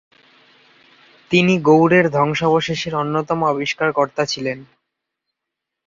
তিনি গৌড়ের ধ্বংসাবশেষের অন্যতম আবিষ্কার কর্তা ছিলেন।